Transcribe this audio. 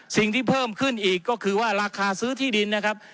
สิ่งที่เพิ่มขึ้นอีกก็คือว่าราคาซื้อที่ดินนะครับ